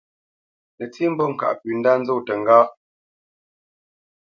Nətsí mbót ŋkâʼ pʉ̌ ndá nzó təŋgáʼ.